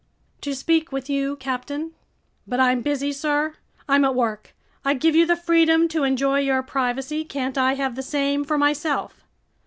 "To speak with you, captain." "But I'm busy, sir, I'm at work. I give you the freedom to enjoy your privacy, can't I have the same for myself?"